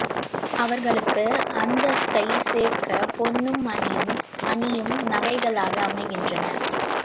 அவர்களுக்கு அந்தஸ்தைச் சேர்க்கப் பொன்னும் மணியும் அணியும் நகைகளாக அமைகின்றன.